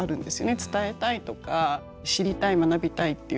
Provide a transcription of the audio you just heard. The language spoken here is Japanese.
伝えたいとか知りたい学びたいっていう。